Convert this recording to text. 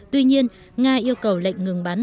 tuy nhiên nga yêu cầu lệnh ngừng bắn